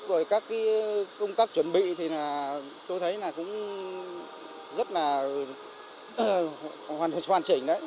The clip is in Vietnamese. rồi các công tác chuẩn bị thì tôi thấy là cũng rất là hoàn chỉnh đấy